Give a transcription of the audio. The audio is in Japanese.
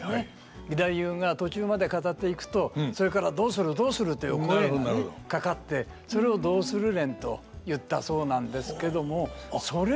義太夫が途中まで語っていくと「それからどうするどうする」という声がねかかってそれを「どうする連」と言ったそうなんですけどもそれぐらいやっぱり。